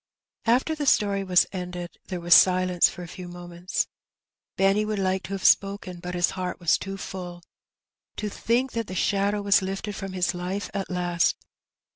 After the story was ended there was silence for a few moments. Benny would like to have spoken^ but his heart was too full — to think that the shadow was lifted from his life at last!